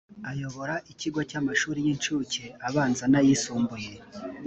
ayobora ikigo cy’ amashuri y’ incuke abanza n ‘ayisumbuye